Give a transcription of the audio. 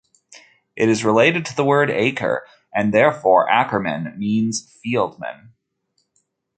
It is related to the word "acre", and therefore Ackermann means "fieldman".